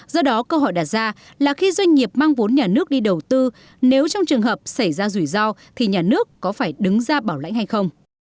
do đó câu hỏi đặt ra là khi doanh nghiệp mang vốn nhà nước đi đầu tư nếu trong trường hợp xảy ra rủi ro thì nhà nước có phải đứng ra bảo lãnh hay không